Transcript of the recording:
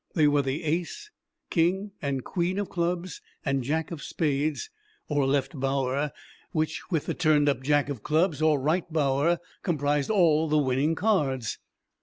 They were the ace, king and queen of clubs, and Jack of spades, or left bower, which, with the turned up Jack of clubs, or right bower, comprised all the winning cards!